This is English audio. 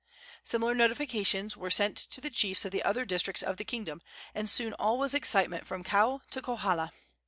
Similar notifications were sent to the chiefs of the other districts of the kingdom, and soon all was excitement from Kau to Kohala.